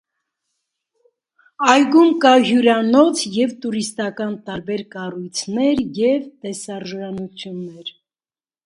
Այգում կկա հյուրանոց և տուրիստական տարբեր կառույցներ և տեսարժանություններ։